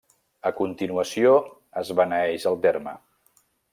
A continuació es beneeix el terme.